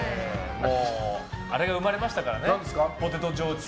あれが生まれましたからね。